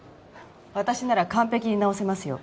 私なら完璧に治せますよ。